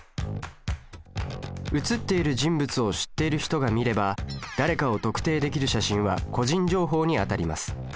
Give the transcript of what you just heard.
写っている人物を知っている人が見れば誰かを特定できる写真は個人情報にあたります。